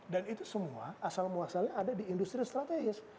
dan itu semua asal muasalnya ada di industri strategis